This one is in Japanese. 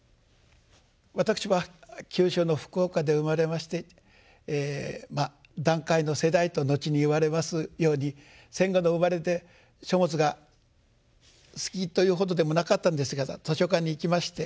私は九州の福岡で生まれまして団塊の世代と後に言われますように戦後の生まれで書物が好きというほどでもなかったんですが図書館に行きまして。